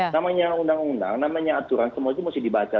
namanya undang undang namanya aturan semua itu mesti dibaca